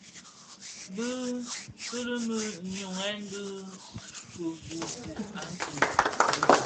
Bi kilmi nhyughèn dhi kibuusi atumè.